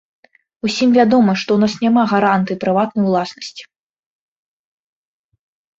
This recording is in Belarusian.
Усім вядома, што ў нас няма гарантый прыватнай уласнасці.